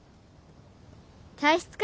体質か。